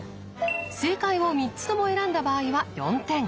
正解を３つとも選んだ場合は４点。